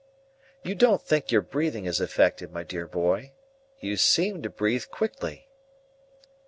—You don't think your breathing is affected, my dear boy? You seem to breathe quickly."